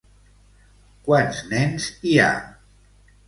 Quants nens hi ha?